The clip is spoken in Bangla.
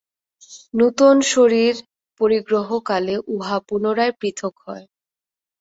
নূতন শরীর পরিগ্রহ কালে উহা পুনরায় পৃথক হয়।